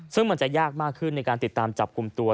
ซึ่งมันจะยากมากขึ้นในการติดตามจับกลุ่มตัว